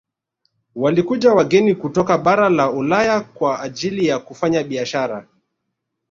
Walikuja wageni kutoka bara la ulaya kwa ajili ya kufanya biasahara